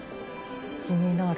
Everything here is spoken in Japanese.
気になる。